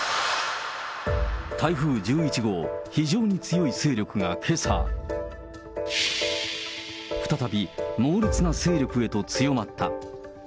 台風１１号、非常に強い勢力がけさ、再び、猛烈な勢力へと強まった。